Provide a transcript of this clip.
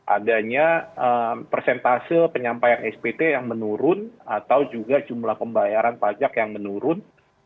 adanya persentase penyampaian spt yang menurun atau juga jumlah pembayaran pajak yang menurun